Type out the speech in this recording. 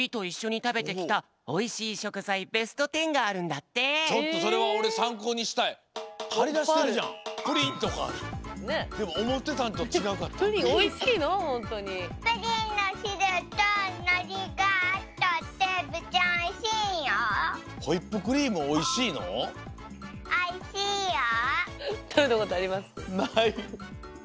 たべたことあります？